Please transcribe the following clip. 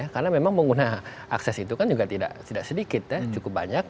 karena memang menggunakan akses itu juga tidak sedikit cukup banyak